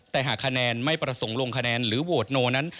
แต่หากคะแนนไม่ประสงค์ลงคะแนนหรือโหวตโนนั้น